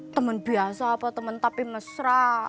temen biasa apa teman tapi mesra